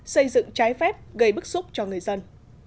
xây dựng trái phép gây bức xúc cho người dân